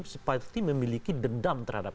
seperti memiliki dendam terhadap